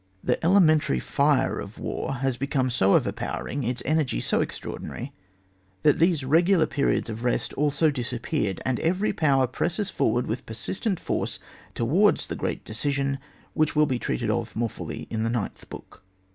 The elementary Are of war has become so overpowering, its energy so extra ordinary, that these regular periods of rest also have disappeared, and every power presses forward with persistent force towards the great decision, which will be treated of more fully in the ninth book.